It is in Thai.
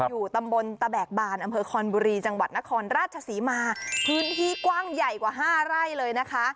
อยู่ตำบลตะแบกบานอำเภอคอนบุรีจังหวัดนครราชศรีมาพื้นที่กว้างใหญ่กว่าห้าไร่เลยนะคะ